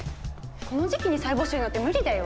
この時期に再募集なんて無理だよ。